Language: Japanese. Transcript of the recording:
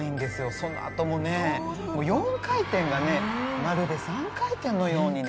そのあともねもう４回転がねまるで３回転のようにね。